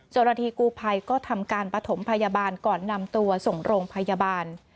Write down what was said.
เจ้าหน้าที่กูภัยก็ทำการปฐมพยาบาลก่อนนำตัวส่งโรงพยาบาล